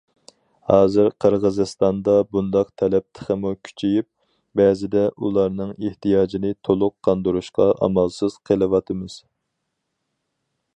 ھازىر، قىرغىزىستاندا بۇنداق تەلەپ تېخىمۇ كۈچىيىپ، بەزىدە ئۇلارنىڭ ئېھتىياجىنى تولۇق قاندۇرۇشقا ئامالسىز قېلىۋاتىمىز.